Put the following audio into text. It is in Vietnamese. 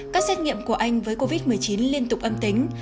các xét nghiệm của anh với covid một mươi chín liên tục âm tính